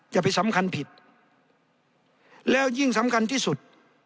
อย่าไปสำคัญผิดแล้วยิ่งสำคัญที่สุด